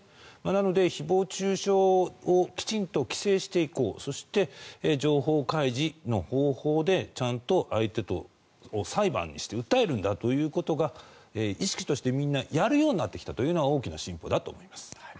なので、誹謗・中傷をきちんと規制していこうそして、情報開示の方法でちゃんと相手を、裁判して訴えるんだということが意識として、みんなやるようになってきたというのは大きな進歩だと思います。